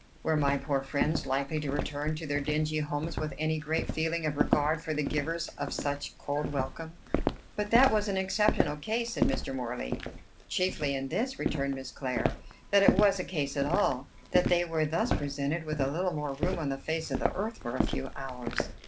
Were my poor friends likely to return to their dingy homes with any great feeling of regard for the givers of such cold welcome?" "But that was an exceptional case," said Mr. Morley. "Chiefly in this," returned Miss Clare, "that it was a case at all that they were thus presented with a little more room on the face of the earth for a few hours."